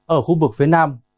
ở khu vực phía nam